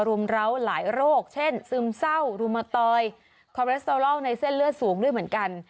รุมร้าวหลายโรคเช่นซึมเศร้ารุมตอยคอเรสเตอรอลในเส้นเลือดสูงด้วยเหมือนกัน